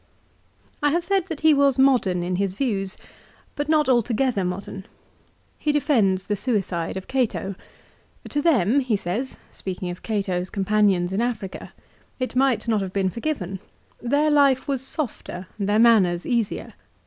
2 I have said that he was modern in his views, but not altogether modern. He defends the suicide of Cato. " To them," he says, speaking of Gate's companions in Africa, " it might not have been forgiven. Their life was sbfter and their manners easier.